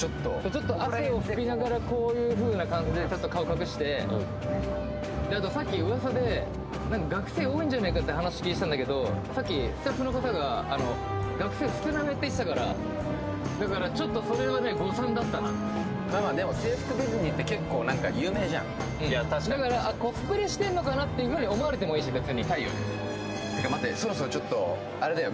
ちょっとこういうふうな感じでちょっと顔隠してであとさっき噂で学生多いんじゃねえかって話聞いてたんだけどさっきスタッフの方が学生少なめって言ってたからだからちょっとそれはね誤算だったなまあまあでもだからコスプレしてんのかなっていうふうに思われてもいいし別にたいよねてか待ってそろそろちょっとあれだよ